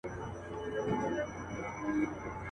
د ګلونو پر غونډۍ اورونه اوري.